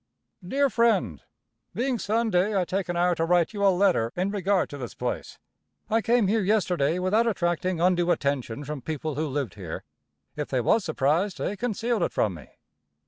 Dear friend. Being Sunday, I take an hour to write you a letter in regard to this place. I came here yesterday without attracting undue attention from people who lived here. If they was surprised, they concealed it from me.